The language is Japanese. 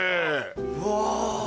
うわ。